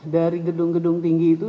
dari gedung gedung tinggi itu